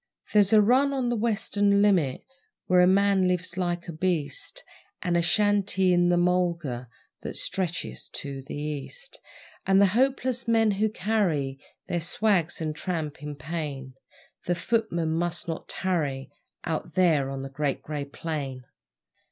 There's a run on the Western limit Where a man lives like a beast, And a shanty in the mulga That stretches to the East; And the hopeless men who carry Their swags and tramp in pain The footmen must not tarry Out there on the Great Grey Plain.